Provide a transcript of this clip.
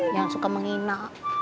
jangan suka menghina